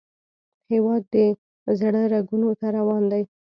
هیواد د زړه رګونو ته روان دی